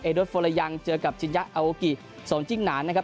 โดสโฟลายังเจอกับชินยะอาโอกิสมจิ้งหนานนะครับ